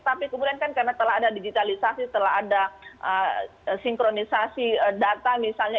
tapi kemudian kan karena telah ada digitalisasi setelah ada sinkronisasi data misalnya